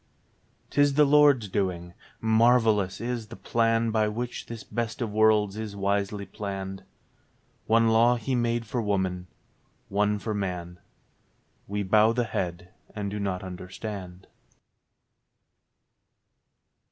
'Tis the Lord's doing. Marvellous is the plan By which this best of worlds is wisely planned. One law He made for woman, one for man : We bow the head and do not understand.